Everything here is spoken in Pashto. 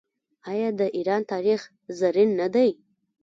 آیا د ایران تاریخ زرین نه دی؟